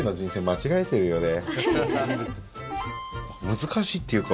難しいっていうか